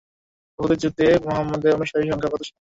উহুদের যুদ্ধে মুহাম্মাদের অনুসারীর সংখ্যা কত ছিল?